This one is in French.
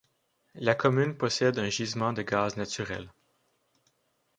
La commune possède un gisement de gaz naturel.